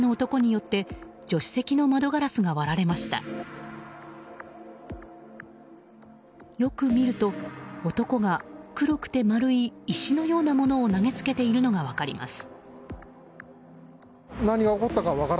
よく見ると男が黒くて丸い石のようなものを投げつけているのが分かります。